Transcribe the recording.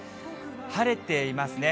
晴れていますね。